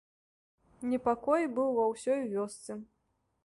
Непакой быў ва ўсёй вёсцы.